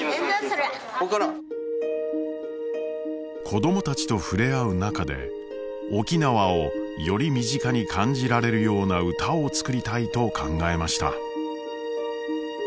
子どもたちと触れ合う中で「沖縄」をより身近に感じられるような歌を作りたいと考えました。